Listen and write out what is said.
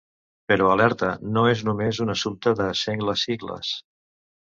Però alerta, no és només un assumpte de sengles sigles.